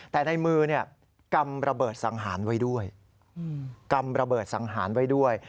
แต่ในมือกำระเบิดสังหารไว้ด้วย